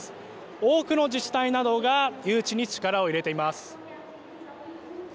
多くの自治体などが誘致に力を入れています。